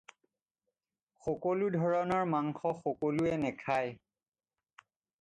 সকলো ধৰণৰ মাংস সকলোৱে নেখায়।